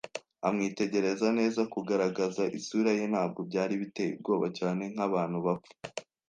amwitegereza neza. Kugaragaza isura ye ntabwo byari biteye ubwoba cyane nkabantu bapfa